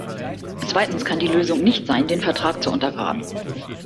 Zweitens kann die Lösung nicht sein, den Vertrag zu untergraben.